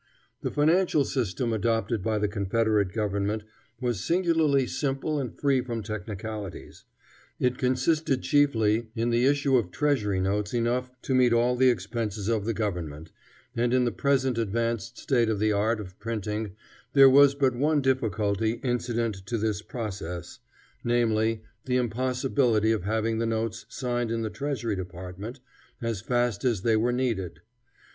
The financial system adopted by the Confederate government was singularly simple and free from technicalities. It consisted chiefly in the issue of treasury notes enough to meet all the expenses of the government, and in the present advanced state of the art of printing there was but one difficulty incident to this process; namely, the impossibility of having the notes signed in the Treasury Department, as fast as they were needed.